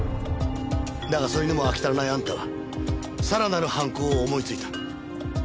だがそれでも飽き足らないあんたはさらなる犯行を思いついた。